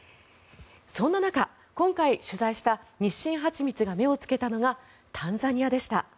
そんな中、今回取材した日新蜂蜜が目をつけたのがタンザニアでした。